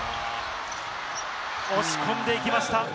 押し込んでいきました。